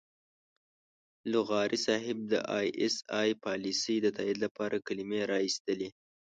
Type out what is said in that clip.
لغاري صاحب د اى ايس اى پالیسۍ د تائید لپاره کلمې را اېستلې.